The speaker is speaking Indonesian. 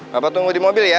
bapak tunggu di mobil ya